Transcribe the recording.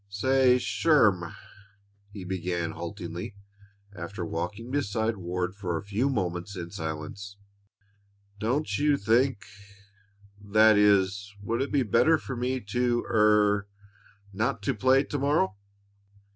"Say, Sherm," he began haltingly, after walking beside Ward for a few moments in silence, "don't you think that is, would it be better for me to er not to play to morrow?"